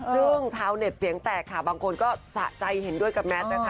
ซึ่งชาวเน็ตเสียงแตกค่ะบางคนก็สะใจเห็นด้วยกับแมทนะคะ